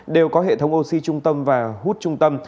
đều có hệ thống oxy trung tâm và hút trung tâm